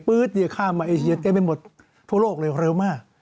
ปื๊ดค่ามาเอเชียเต้นไปหมดทั่วโลกเลยเร็วมาก